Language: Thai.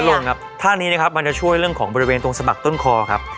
ลงครับท่านี้นะครับมันจะช่วยเรื่องของบริเวณตรงสมัครต้นคอครับ